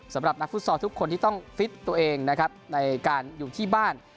สำหรับนักฟุตซอลทุกคนที่ต้องฟิตตัวเองนะครับในการอยู่ที่บ้าน